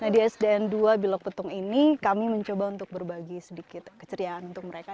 di sdn dua bilok petung ini kami mencoba untuk berbagi sedikit keceriaan untuk mereka